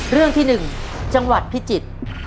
เรื่องที่๑จังหวัดพิจิตร